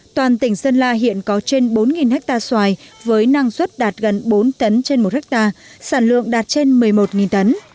toàn tỉnh sơn la hiện có trên bốn ha xoài với năng suất đạt gần bốn tấn trên một ha sản lượng đạt trên một mươi một tấn